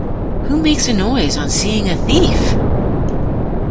Who makes a noise on seeing a thief?